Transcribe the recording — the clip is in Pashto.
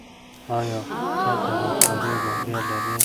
ایا ته د همکارۍ روحیه لرې؟